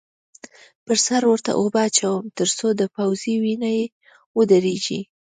پر سر ورته اوبه اچوم؛ تر څو د پوزې وینه یې ودرېږې.